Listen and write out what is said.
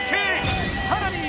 さらに